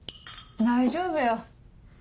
大丈夫よ。